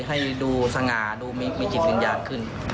ให้ดูสง่าดูมีจิตวิญญาณขึ้น